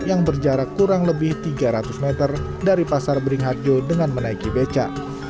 yang berjarak kurang lebih tiga ratus meter dari pasar beringharjo dengan menaiki beca